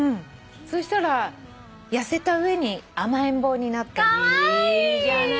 そしたら痩せた上に甘えん坊に。カワイイ！